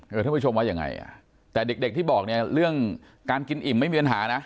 ให้ได้ประชงว่ายังไงแต่เด็กที่บอกเรื่องการกินอิ่มไม่มีปัญหานะ